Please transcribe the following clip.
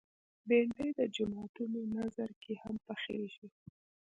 بېنډۍ د جوماتونو نذر کې هم پخېږي